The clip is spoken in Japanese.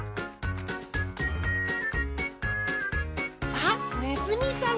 あっねずみさん！